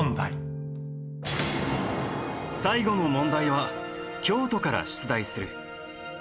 最後の問題は京都から出題する。